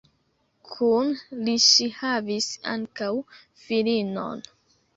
Kun li ŝi havis ankaŭ filinon.